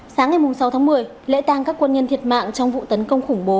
sáng ngày sáu tháng một mươi lễ tang các quân nhân thiệt mạng trong vụ tấn công khủng bố